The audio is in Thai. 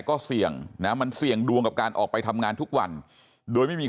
ก็เสี่ยงนะมันเสี่ยงดวงกับการออกไปทำงานทุกวันโดยไม่มี